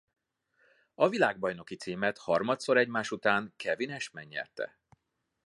A világbajnoki címet harmadszor egymás után Kevin Ashman nyerte.